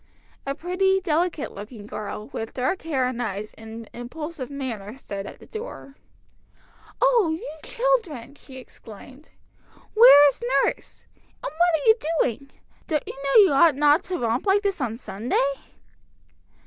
A pretty delicate looking girl with dark hair and eyes and impulsive manner stood at the door. "Oh, you children!" she exclaimed. "Where is nurse? And what are you doing? Don't you know you ought not to romp like this on Sunday?"